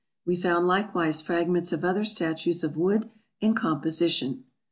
We found likewise fragments of other statues of wood and of composition.